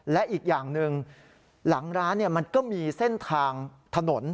และอีกอย่างหนึ่งหลังร้านมันก็มีเส้นทางถนน